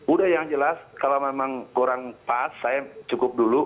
udah yang jelas kalau memang kurang pas saya cukup dulu